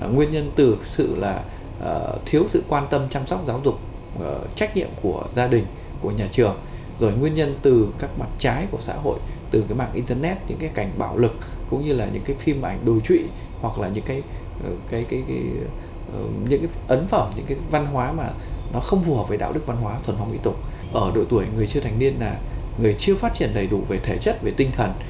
người chưa thành niên là người chưa phát triển đầy đủ về thể chất về tinh thần